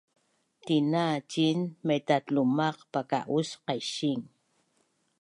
tina ciin maitatlumaq paka’us qaising